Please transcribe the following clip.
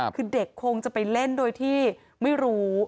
คือเด็กคงจะไปเล่นโดยที่ไม่รู้